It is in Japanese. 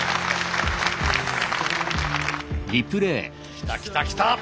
きたきたきた！